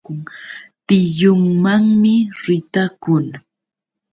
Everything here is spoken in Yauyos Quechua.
Tiyunmanmi ritakun.